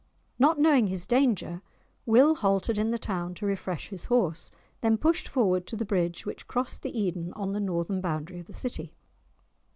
Not knowing his danger, Will halted in the town to refresh his horse, then pushed forward to the bridge which crossed the Eden on the Northern boundary of the city.